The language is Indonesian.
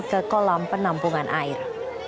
ke kolam penampungan air